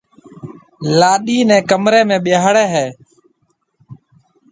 لاڏِي نيَ ڪمرَي ۾ ٻيھاڙَي ھيََََ